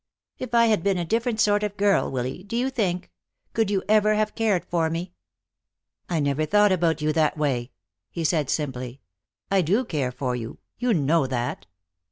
"If I had been a different sort of girl, Willy, do you think could you ever have cared for me?" "I never thought about you that way," he said, simply. "I do care for you. You know that."